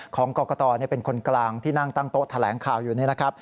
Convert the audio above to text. ของกรกตเป็นคนกลางที่นั่งตั้งโต๊ะแถลงข่าวอยู่นี่นะครับ